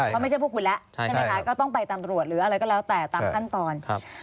เขาไม่ใช่พวกคุณแล้วใช่ไหมคะก็ต้องไปตำรวจหรืออะไรก็แล้วแต่ตามขั้นตอน